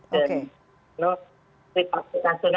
dan seputusnya adalah